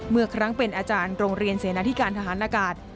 เมื่อครั้งเป็นอาจารย์โรงเรียนเสนาธิการทหารอากาศ